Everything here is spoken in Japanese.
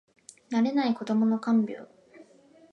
慣れない子どもの看病